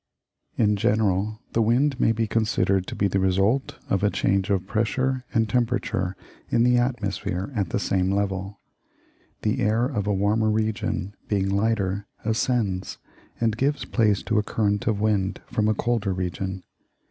In general, the wind may be considered to be the result of a change of pressure and temperature in the atmosphere at the same level. The air of a warmer region, being lighter, ascends, and gives place to a current of wind from a colder region.